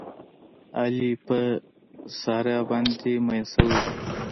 علي په ساره باندې مین شوی دی.